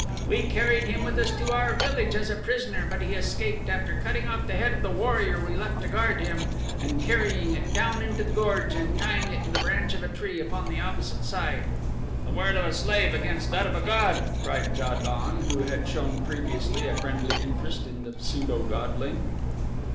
"We carried him with us to our village as a prisoner but he escaped after cutting off the head of the warrior we left to guard him and carrying it down into the gorge and tying it to the branch of a tree upon the opposite side." "The word of a slave against that of a god!" cried Ja don, who had shown previously a friendly interest in the pseudo godling.